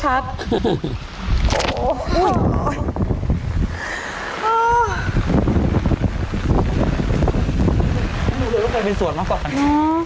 ไม่รู้เลยว่าใครเป็นส่วนมากกว่ากัน